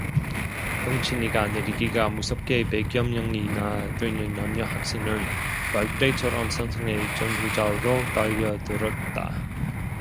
영신이가 내리기가 무섭게 백여 명이나 되는 남녀 학생은 벌떼처럼 선생의 전후좌우로 달려들었다.